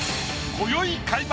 今宵開幕